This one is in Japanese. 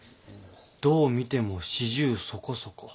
どう見ても四十そこそこ。